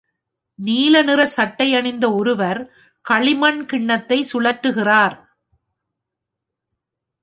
நீல நிறச் சட்டை அணிந்த ஒருவர் களிமண் கிண்ணத்தை சுழற்றுகிறார்